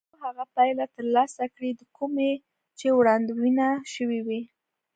تر څو هغه پایله ترلاسه کړي د کومې چې وړاندوينه شوې وي.